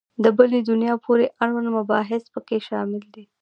د بلي دنیا پورې اړوند مباحث په کې شامل دي.